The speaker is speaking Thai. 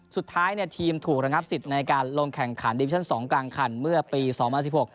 สุดท้ายทีมถูกระงับสิทธิ์ในการลงแข่งขันดิวิชั่น๒กลางคันเมื่อปี๒๐๑๖